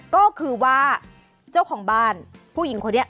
ก็คือว่าเจ้าของบ้านผู้หญิงคนนี้